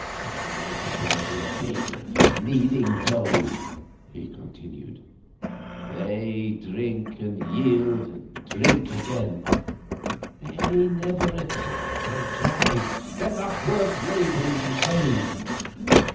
'I might as well be a baker kneading dough,' he continued. 'They drink and yield and drink again; they never attack and drive; they're not worth labouring to save.